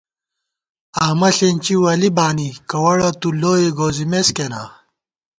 آمہ ݪېنچی ولی بانی کوَڑہ تُو لوئےگوزِمېس کېنا